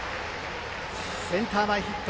センター前ヒット。